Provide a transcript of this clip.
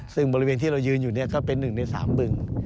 ซึ่งบริเวณที่เรายืนอยู่ก็เป็น๑ใน๓บึง